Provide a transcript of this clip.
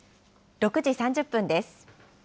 ６時３０分です。